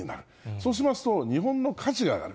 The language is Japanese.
そうしますと、日本の価値が上がる。